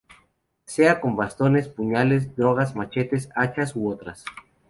Sea con bastones, puñales, dagas, machetes, hachas, u otras.